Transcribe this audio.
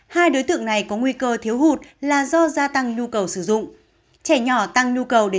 hai đối tượng này có nguy cơ thiếu hụt là do gia tăng nhu cầu sử dụng trẻ nhỏ tăng nhu cầu để